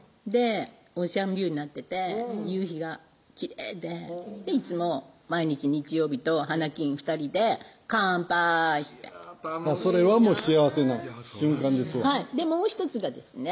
オーシャンビューになってて夕日がきれいでいつも毎日日曜日と花金２人で乾杯してそれはもう幸せな瞬間ですわもう１つがですね